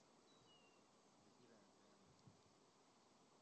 ڈیگیریں ٹیم تھی